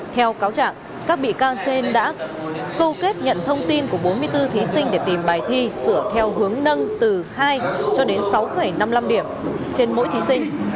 theo cáo trạng các bị can trên đã câu kết nhận thông tin của bốn mươi bốn thí sinh để tìm bài thi sửa theo hướng nâng từ hai cho đến sáu năm mươi năm điểm trên mỗi thí sinh